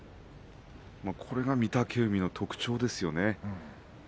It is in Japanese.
これが御嶽海の特徴ですよね。